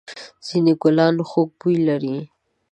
ځېنې گلان خوږ بوی لري.